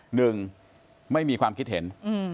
หนึ่งไม่มีความคิดเห็น